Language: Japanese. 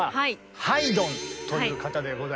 ハイドンという方でございましてね。